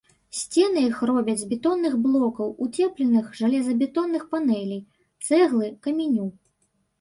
Сцены іх робяць з бетонных блокаў, уцепленых жалезабетонных панэлей, цэглы, каменю.